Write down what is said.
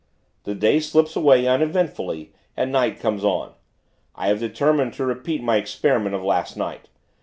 The day slips away, uneventfully; and night comes on. I have determined to repeat my experiment of last night.